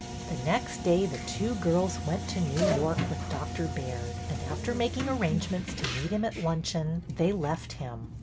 The next day the two girls went to New York with Dr. Baird, and, after making arrangements to meet him at luncheon, they left him.